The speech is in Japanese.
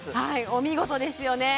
お見事ですよね